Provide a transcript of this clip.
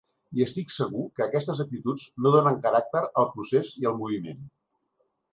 I estic segur que aquestes actituds no donen caràcter al procés i al moviment.